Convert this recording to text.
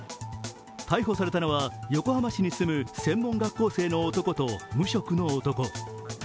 逮捕されたのは横浜市に住む専門学校生の男と無職の男。